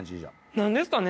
何ですかね。